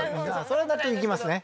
それは納得いきますね